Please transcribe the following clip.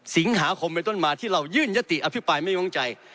สิงหาคมเป็นต้นมาที่เรายื่นยติอภิปรายไม่วางใจ